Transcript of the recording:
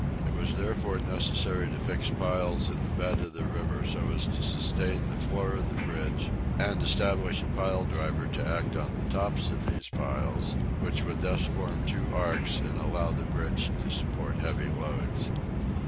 It was therefore necessary to fix piles in the bed of the river so as to sustain the floor of the bridge and establish a pile driver to act on the tops of these piles, which would thus form two arches and allow the bridge to support heavy loads.